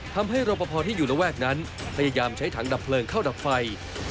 ทำให้รอปภที่อยู่ระแวกนั้นพยายามใช้ถังดับเพลิงเข้าดับไฟ